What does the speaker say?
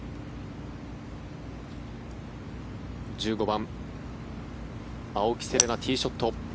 １５番、青木瀬令奈ティーショット。